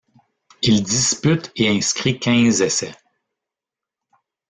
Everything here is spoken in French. Il dispute et inscrit quinze essais.